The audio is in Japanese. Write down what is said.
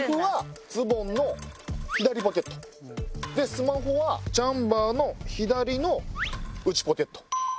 スマホはジャンパーの左の内ポケット。